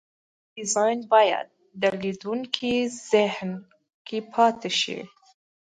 ډیزاین باید د لیدونکو ذهن کې پاتې شي.